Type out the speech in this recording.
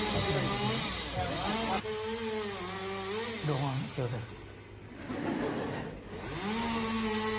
老眼鏡です。